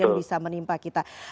tidak bisa menimpa kita